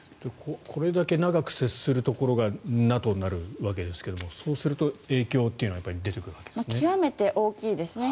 これだけ長く接するところがＮＡＴＯになるわけですけれどもそうすると影響というのは出てくるわけですね。